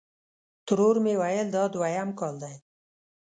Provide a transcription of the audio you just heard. ترور مې ویل: دا دویم کال دی.